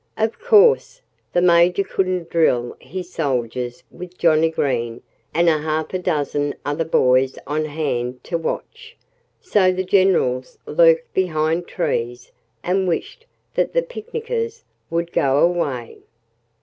] Of course, the Major couldn't drill his soldiers with Johnnie Green and a half dozen other boys on hand to watch. So the generals lurked behind trees and wished that the picnickers would go away.